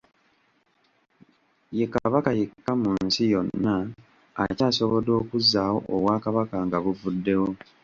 Ye Kabaka yekka mu nsi yonna akyasobodde okuzzaawo obwakabaka nga buvuddewo.